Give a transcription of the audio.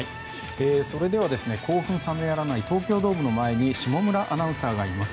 それでは興奮冷めやらない東京ドームの前に下村アナウンサーがいます。